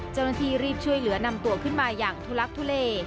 เจ้าหน้าที่รีบช่วยเหลือนำตัวขึ้นมาอย่างทุลักทุเล